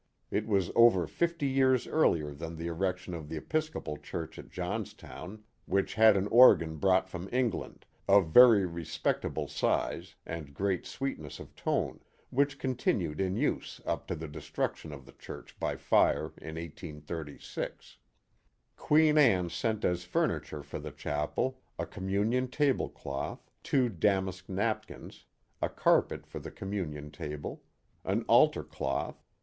It was over fifty years earlier than the erection of the Episcopal church at Johnstown, which had an organ brought from England, of very respectable size and great sweetness of tone, which continued in use up to the destruction of the church by fire in 1836. Queen Anne sent as furniture for the chapel: A communion table cloth. Two damask napkins. A carpet for the communion table. An altar cloth.